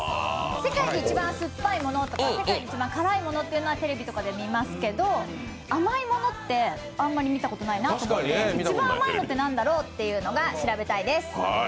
世界で一番酸っぱいものとか、世界で一番辛いものとかテレビとかで見ますけど甘いものってあまり見たことないなって思って一番甘いのってなんだろうって調べたいです。